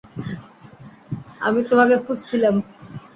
আমি তোমাকে খুঁজছিলাম।